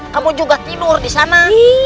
kamu juga tidur disana